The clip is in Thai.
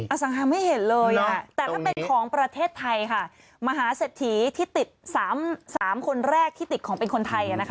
สังหาไม่เห็นเลยอ่ะแต่ถ้าเป็นของประเทศไทยค่ะมหาเศรษฐีที่ติด๓คนแรกที่ติดของเป็นคนไทยนะคะ